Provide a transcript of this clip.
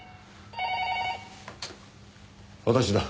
私だ。